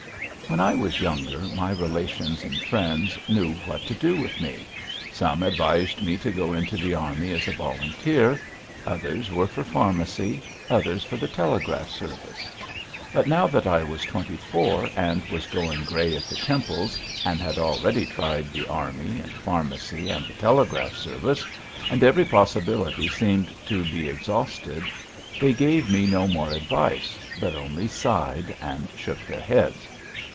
When I was younger my relations and friends knew what to do with me; some advised me to go into the army as a volunteer, others were for pharmacy, others for the telegraph service; but now that I was twenty four and was going grey at the temples and had already tried the army and pharmacy and the telegraph service, and every possibility seemed to be exhausted, they gave me no more advice, but only sighed and shook their heads.